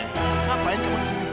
ngapain kamu disini